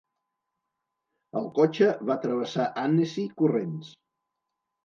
El cotxe va travessar Annecy corrents.